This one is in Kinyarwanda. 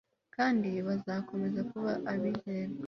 Kandi bazakomeza kuba abizerwa